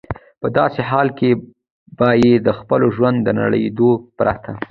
په داسې حال کې به یې د خپل ژوند د نړېدو پرته.